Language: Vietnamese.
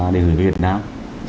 để gửi về việt nam